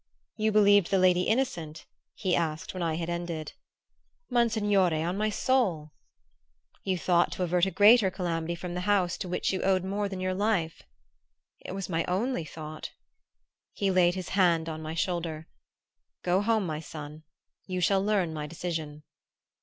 "You believed the lady innocent?" he asked when I had ended. "Monsignore, on my soul!" "You thought to avert a great calamity from the house to which you owed more than your life?" "It was my only thought." He laid his hand on my shoulder. "Go home, my son. You shall learn my decision."